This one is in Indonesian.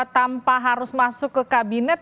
tanpa harus masuk ke kabinet